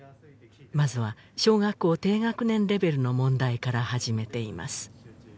まずは小学校低学年レベルの問題から始めています